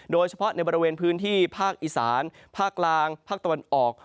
โดยเฉพาะในบริเวณพื้นที่ภาคอีสานภาคกลางภาคตะวันออก